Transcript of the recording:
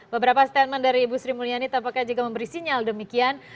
beberapa statement dari ibu sri mulyani tampaknya juga memberi sinyal demikian